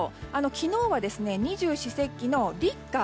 昨日は二十四節気の立夏。